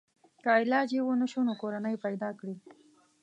که علاج یې ونشو نو کورنۍ پیدا کړي.